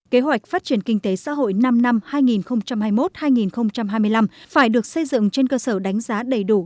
kế hoạch phát triển kinh tế xã hội năm năm hai nghìn hai mươi một hai nghìn hai mươi năm phải được xây dựng trên cơ sở đánh giá đầy đủ